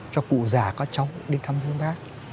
cho cụ già có chóng đến thăm thương bác